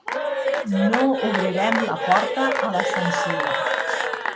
No obrirem la porta a la censura.